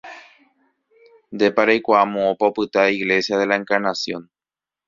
Ndépa reikuaa moõpa opyta Iglesia de la Encarnación.